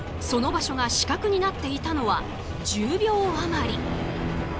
その場所が死角になっていたのは１０秒余り。